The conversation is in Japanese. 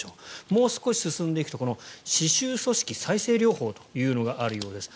もう少し進んでいくと歯周組織再生療法というのがあるようです。